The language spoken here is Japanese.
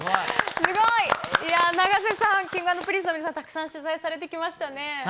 すごい！いや、永瀬さん、Ｋｉｎｇ＆Ｐｒｉｎｃｅの皆さん、たくさん取材されてきましたね。